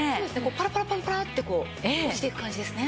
パラパラパラパラって落ちていく感じですね。